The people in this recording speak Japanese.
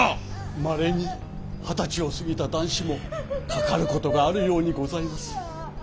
まれに二十歳を過ぎた男子もかかることがあるようにございます。